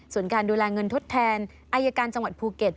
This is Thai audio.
ส่วนการดูแลเงินทดแทนอายการจังหวัดภูเก็ต